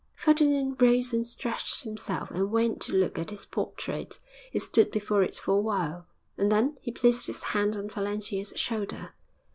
Ferdinand rose and stretched himself, and went to look at his portrait. He stood before it for a while, and then he placed his hand on Valentia's shoulder.